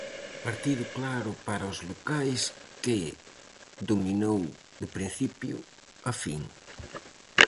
Partido claro para os locais, que dominou de principio a fin.